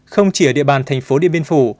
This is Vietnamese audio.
không chỉ ở địa bàn thành phố điện biên phủ